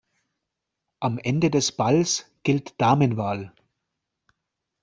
Am Ende des Balls gilt Damenwahl.